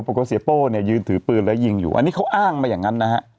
ปรากฏว่าเสียโป้เนี่ยยืนถือปืนแล้วยิงอยู่อันนี้เขาอ้างมาอย่างนั้นนะฮะ